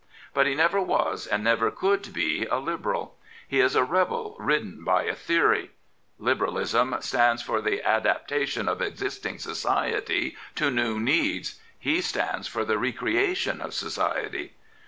But he never was and never could be a Liberal. He is a rebel ridden by a theory. Liberalism stands for the adapta tion of existing society to new needs: he stands for the recreation of society.